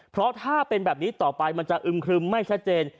เพราะถ้าเป็นแบบนี้ต่อไปมันจะอึมครึมไม่ชัดเจน